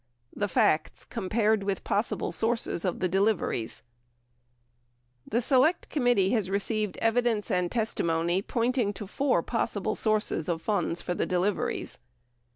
THE FACTS COMPARED WITH POSSIBLE SOURCES OF THE DELIVERIES The Select Committee has received evidence and testimony pointing to four possible sources of funds for the deliveries.